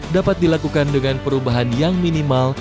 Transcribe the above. dapat dilakukan dengan perubahan yang minimal